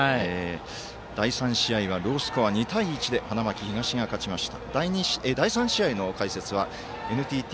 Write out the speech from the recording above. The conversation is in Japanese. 第３試合はロースコア、２対１で花巻東が勝ちました。